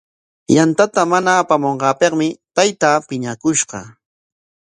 Yantata mana apamunqaapikmi taytaa piñakushqa.